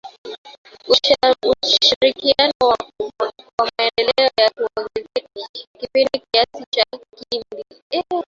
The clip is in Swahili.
Ushirikiano kwa Maendelea ya Kongo ni kundi la kisiasa na kidini ambalo linadai linawakilisha maslahi ya kabila la walendu.